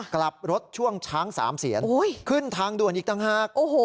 กลับรถช่วงช้างสามเสียนขึ้นทางด่วนอีกต่างหาก